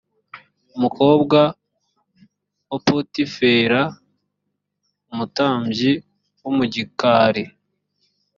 umukobwa wa potifera umutambyi wo mu gikari